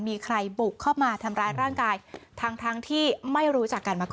มีใครบุกเข้ามาทำร้ายร่างกายทั้งทั้งที่ไม่รู้จักกันมาก่อน